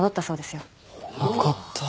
よかった。